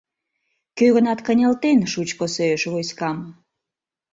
Кӧ-гынат кынелтен шучко сӧйыш войскам.